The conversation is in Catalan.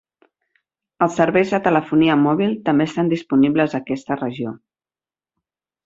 Els serveis de telefonia mòbil també estan disponibles a aquesta regió.